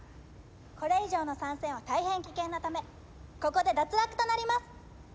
これ以上の参戦は大変危険なためここで脱落となります。